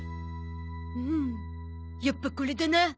うんやっぱこれだな。